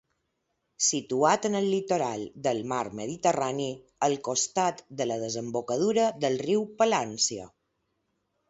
Situat en el litoral del mar Mediterrani al costat de la desembocadura del riu Palància.